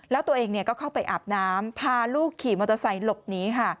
แล้วตัวเองก็เข้าไปอาบน้ำพาลูกขี่มอเตอร์ไซค์หลบหนีค่ะ